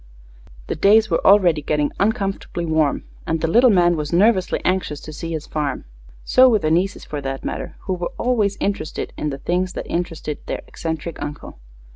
The days were already getting uncomfortably warm, and the little man was nervously anxious to see his farm. So were the nieces, for that matter, who were always interested in the things that interested their eccentric uncle.